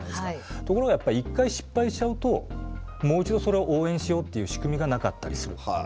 ところが１回失敗しちゃうともう一度それを応援しようっていう仕組みがなかったりする。